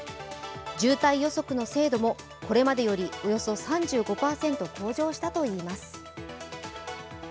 渋滞予測の精度もこれまでよりおよそ３５％向上したといいます。